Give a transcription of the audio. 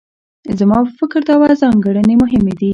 زما په فکر دا دوه ځانګړنې مهمې دي.